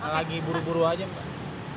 lagi buru buru aja mbak